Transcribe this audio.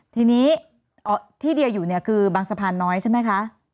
ทีนี้ที่เดียอยู่เนี่ยคือบางสะพานน้อยใช่ไหมคะ